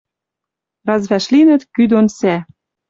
Раз вӓшлинӹт кӱ дон сӓ.